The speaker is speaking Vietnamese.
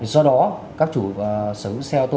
do đó các chủ sở hữu xe ô tô